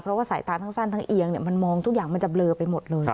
เพราะว่าสายตาทั้งสั้นทั้งเอียงมันมองทุกอย่างมันจะเบลอไปหมดเลย